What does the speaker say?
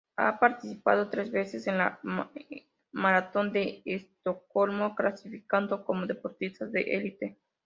Ha participado tres veces en la Maratón de Estocolmo, clasificando como deportista de elite.